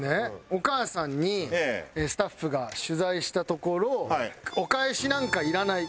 お母さんにスタッフが取材したところ。